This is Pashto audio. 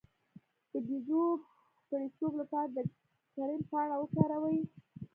د بیضو د پړسوب لپاره د کرم پاڼه وکاروئ